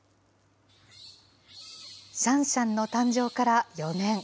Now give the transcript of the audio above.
シャンシャンの誕生から４年。